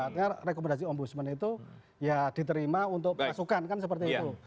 artinya rekomendasi ombudsman itu ya diterima untuk pasukan kan seperti itu